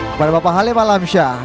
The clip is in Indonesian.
kepada bapak halim alamsyah